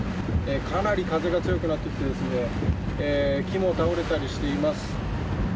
かなり風が強くなってきて木も倒れたりしています。